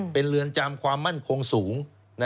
เป็นเรือนจำความมั่นคงสูง